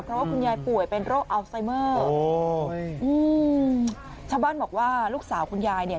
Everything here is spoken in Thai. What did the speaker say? เพราะว่าคุณยายป่วยเป็นโรคอัลไซเมอร์โอ้ยอืมชาวบ้านบอกว่าลูกสาวคุณยายเนี่ย